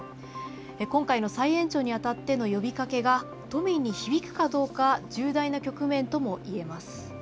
今回の再延長にあたっての呼びかけが、都民に響くかどうか重大な局面ともいえます。